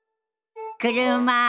車。